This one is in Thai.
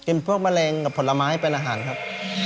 พวกแมลงกับผลไม้เป็นอาหารครับ